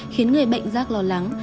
khiến người bệnh giác lo lắng